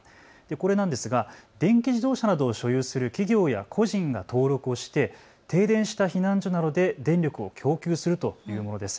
これなんですが電気自動車などを所有する企業や個人が登録をして停電した避難所などで電力を供給するというものです。